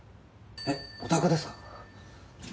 えお宅ですか？